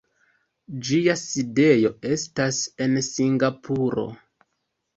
Ĝia sidejo estas en Singapuro.